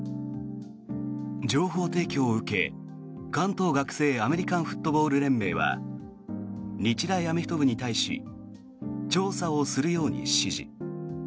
情報提供を受け、関東学生アメリカンフットボール連盟は日大アメフト部に対し調査をするように指示。